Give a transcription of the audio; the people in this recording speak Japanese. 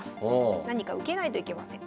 何か受けないといけません。